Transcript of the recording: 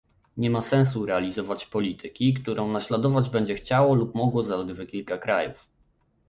Nie ma sensu realizować polityki, którą naśladować będzie chciało lub mogło zaledwie kilka krajów